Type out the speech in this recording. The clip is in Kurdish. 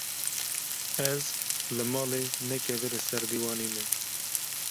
ez li malê ne kevirê ser dîwanê me